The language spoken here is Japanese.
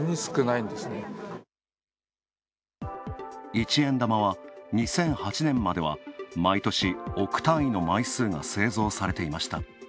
一円玉は２００８年までは毎年、億単位の枚数が製造されていました。